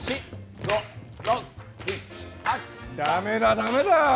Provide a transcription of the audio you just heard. ダメだダメだ。